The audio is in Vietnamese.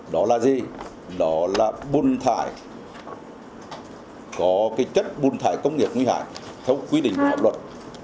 đó là gì đó là nguồn thải có chất nguồn thải công nghiệp nguy hại theo quy định hợp luật